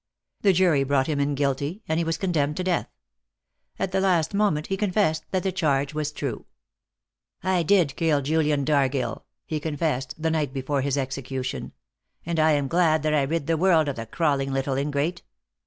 The jury brought him in guilty, and he was condemned to death. At the last moment he confessed that the charge was true. "I did kill Julian Dargill," he confessed, the night before his execution, "and I am glad that I rid the world of the crawling little ingrate.